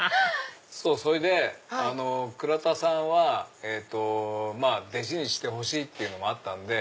それで倉田さんは弟子にしてほしいっていうのもあったんで。